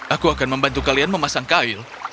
aku akan membantu kalian memasang kail